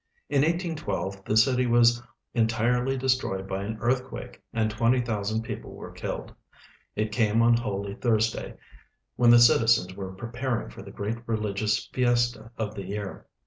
In 1812 the city was entirely destroyed by an earthquake and twenty thousand people were killed. It came on Holy Thurs day, when the citizens were pre]>aring for the great religious fiesta of the year.